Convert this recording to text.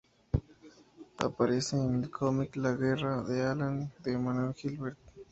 Aparece en el cómic La guerra de Alan, de Emmanuel Guibert.